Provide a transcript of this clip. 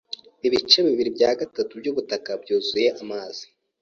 Ibice bibiri bya gatatu byubutaka bwuzuye amazi.